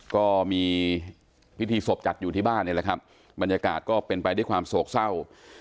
ก็มีพิธีศพจัดอยู่ที่บ้านนี่แหละครับบรรยากาศก็เป็นไปด้วยความโศกเศร้า